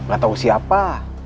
gak tau siapa